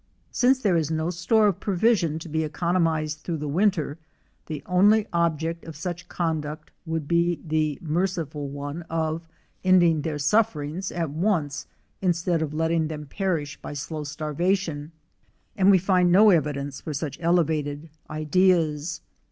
Since there is no store of provision to be economized through the winter the only object of such conduct would be the merciful one of ending their sufferings at once instead of letting them perish by slow starvation, and we find no evidence 13 WASPS, SOCIAL AND SOLITARY for such elevated ideas.